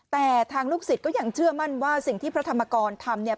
แต่ทางลูกศิษย์ก็ยังเชื่อมั่นว่าสิ่งที่พระธรรมกรทำเนี่ย